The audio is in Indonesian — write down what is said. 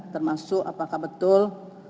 termasuk apakah betul